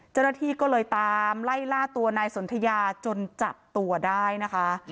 เจ้าหน้าที่ก็เลยตามไล่ล่าตัวนายสนทยาจนจับตัวได้นะคะ